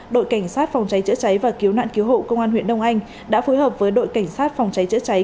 đội cảnh sát phòng cháy chữa cháy và cứu nạn cứu hộ công an huyện đông anh đã phối hợp với đội cảnh sát phòng cháy chữa cháy